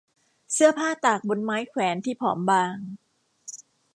เสื้อผ้าตากบนไม้แขวนที่ผอมบาง